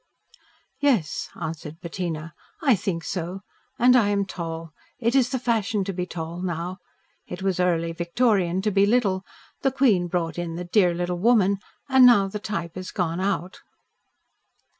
"Yes," answered Bettina. "I think so. And I am tall. It is the fashion to be tall now. It was Early Victorian to be little. The Queen brought in the 'dear little woman,' and now the type has gone out."